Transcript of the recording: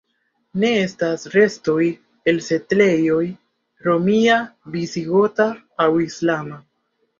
Ne estas restoj el setlejoj romia, visigota aŭ islama.